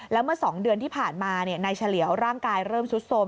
แล้วเมื่อ๒เดือนที่ผ่านมานายเฉลียวร่างกายเริ่มซุดโทรม